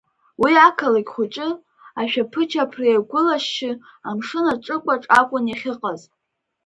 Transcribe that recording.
Уи ақалақь хәыҷы, ашәаԥыџьаԥра иагәылашьшьы, амшын аҿықәаҿ акәын иахьыҟаз.